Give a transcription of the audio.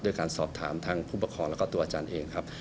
การสอบถามทางผู้ปกครองแล้วก็ตัวอาจารย์เองครับ